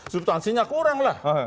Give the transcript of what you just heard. substansinya kurang lah